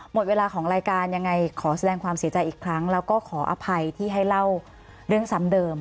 หมดเวลาของรายการยังไงขอแสดงความเสียใจอีกครั้งแล้วก็ขออภัยที่ให้เล่าเรื่องซ้ำเดิม